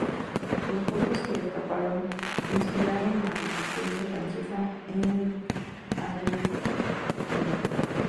Los pocos que escaparon inspiraron la Resistencia francesa en Aveyron.